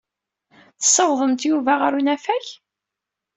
Tessawḍemt Yuba ɣer unafag?